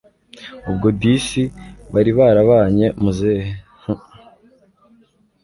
ubwo disi bari barabanye ! muzehe hhhm